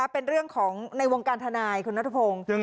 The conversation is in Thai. เป็นเรื่องของในวงการทนายคุณนัทพงศ์